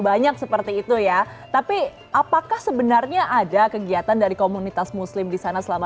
banyak seperti itu ya tapi apakah sebenarnya ada kegiatan dari komunitas muslim di sana selama